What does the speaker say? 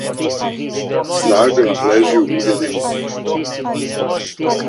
Снага лежи у јединству.